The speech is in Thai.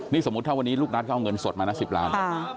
นี่สมมุติถ้าวันนี้ลูกนัทเขาเอาเงินสดมานะ๑๐ล้าน